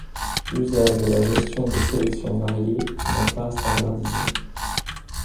L'usage de la gestion de sélections variées n'est pas standardisé.